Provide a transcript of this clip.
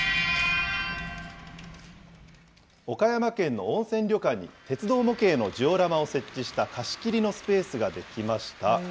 岡山県の温泉旅館に、鉄道模型のジオラマを設置した貸し切りのスペースが出来ました。